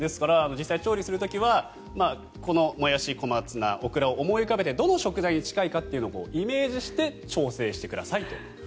調理をする時はこのモヤシ、小松菜、オクラを思い浮かべてどの食材に近いかというのをイメージして調整してくださいと。